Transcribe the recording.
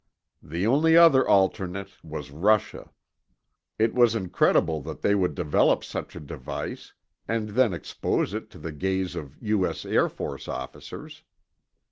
The only other alternate was Russia. It was incredible that they would develop such a device and then expose it to the gaze of U.S. Air Force officers.